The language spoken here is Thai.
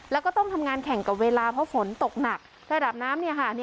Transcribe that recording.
แล้วก็ต้องทำงานแข่งกับเวลาเพราะฝนตกหนักระดับน้ำเนี่ยค่ะ